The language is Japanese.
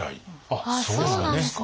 あっそうなんですね。